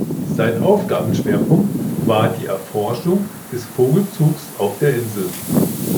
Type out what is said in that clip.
Sein Aufgabenschwerpunkt war die Erforschung des Vogelzugs auf der Insel.